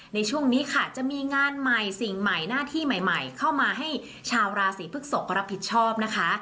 ในช่วงนี้ค่ะจะมีงานใหม่สิ่งใหม่หน้าที่ใหม่เข้ามาให้ชาวราศีพฤกษกรับผิดชอบนะคะ